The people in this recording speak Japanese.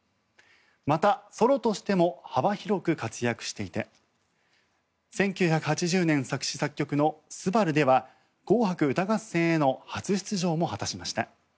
また、ソロとしても幅広く活躍していて１９８０年作詞作曲の「昴−すばるー」では「紅白歌合戦」への初出場も果たしました。